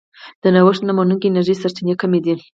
د نوښت نه منونکې انرژۍ سرچینې کمې دي.